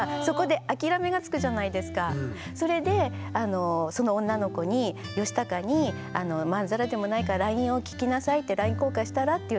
それでその女の子にヨシタカにまんざらでもないからＬＩＮＥを聞きなさいってＬＩＮＥ交換したらって言ったんですよ。